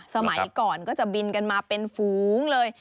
สมัยก่อนก็จะบินกันมาเป็นฝูงเลย